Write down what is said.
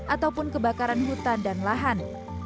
ataupun kebakaran hutan dan lahan